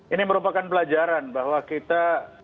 ini merupakan pelajaran bahwa kita